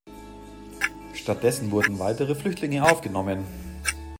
Stattdessen wurden weitere Flüchtlinge aufgenommen.